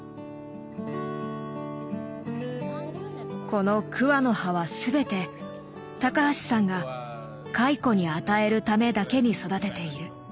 この桑の葉はすべて高橋さんが蚕に与えるためだけに育てている。